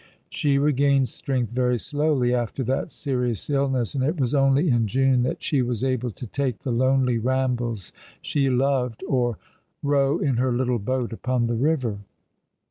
She regained strength very slowly after that serions illness, and it was only in June that she was able to take the lonely rambles she loved, or row in her little boat upon the river.